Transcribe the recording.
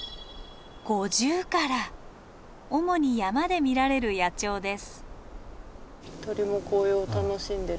主に山で見られる野鳥です。